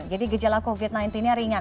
jadi gejala covid sembilan belas ini ringan